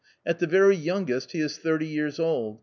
At the very youngest he is thirty years old.